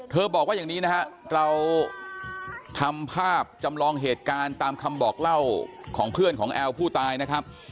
บอกว่าอย่างนี้นะฮะเราทำภาพจำลองเหตุการณ์ตามคำบอกเล่าของเพื่อนของแอลผู้ตายนะครับ